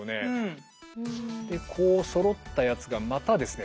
こうそろったやつがまたですね